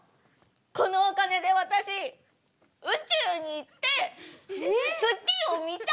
このお金で私宇宙に行って月を見たいの！